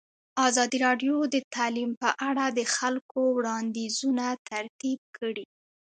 ازادي راډیو د تعلیم په اړه د خلکو وړاندیزونه ترتیب کړي.